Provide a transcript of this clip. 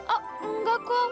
oh enggak kok